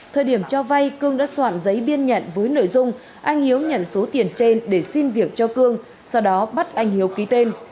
thời điểm cho vay cương đã soạn giấy biên nhận với nội dung anh hiếu nhận số tiền trên để xin việc cho cương sau đó bắt anh hiếu ký tên